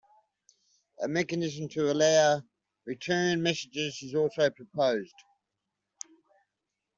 A mechanism to allow return messages is also proposed.